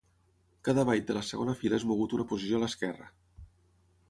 Cada byte de la segona fila és mogut una posició a l'esquerra.